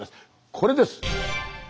これです。